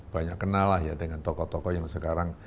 banyak kenal lah ya dengan tokoh tokoh yang sekarang